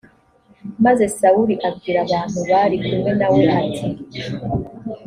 maze sawuli abwira abantu bari kumwe na we ati